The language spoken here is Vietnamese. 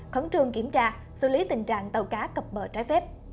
khẩn trương kiểm tra xử lý tình trạng tàu cá cập bờ trái phép